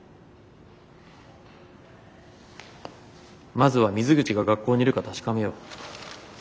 まずは水口が学校にいるか確かめよう。